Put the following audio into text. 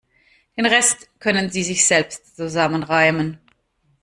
Den Rest können Sie sich selbst zusammenreimen.